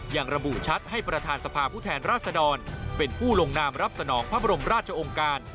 อย่างระบุชัดให้ประธานสภาผู้แทนรัฐธรรมเป็นผู้ลงนามรับสนองภาพรมราชองการ